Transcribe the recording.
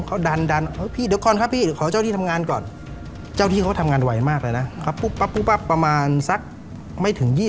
เขาดันดันเดี๋ยวก่อนครับพี่